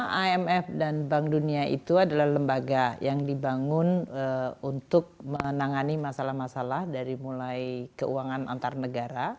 karena imf dan bank dunia itu adalah lembaga yang dibangun untuk menangani masalah masalah dari mulai keuangan antar negara